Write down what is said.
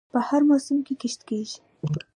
په هر موسم کې کښت کیږي.